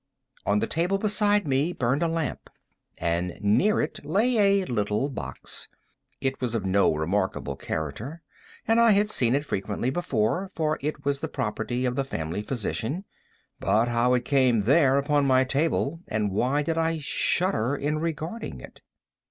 _" On the table beside me burned a lamp, and near it lay a little box. It was of no remarkable character, and I had seen it frequently before, for it was the property of the family physician; but how came it there, upon my table, and why did I shudder in regarding it?